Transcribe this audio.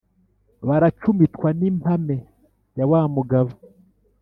Baracumitwa n’impame ya wa mugabo,